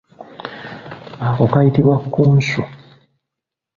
Ako kayitibwa kkunsu.